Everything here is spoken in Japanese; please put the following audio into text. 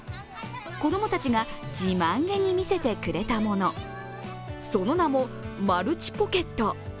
子供たちが自慢げに見せてくれたもの、その名も、マルチポケット。